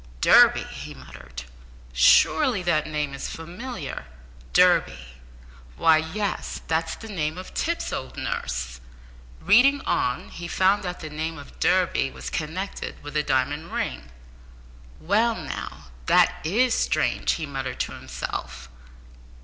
"Durby!" he muttered. "Surely that name is familiar? Durby! why, yes that's the name of Tipps's old nurse." Reading on, he found that the name of Durby was connected with a diamond ring. "Well, now, that is strange!" he muttered to himself.